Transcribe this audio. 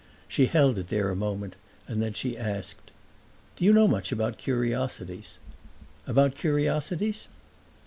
She held it there a moment and then she asked, "Do you know much about curiosities?" "About curiosities?"